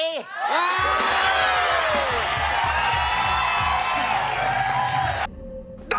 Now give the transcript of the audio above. ได้ครับ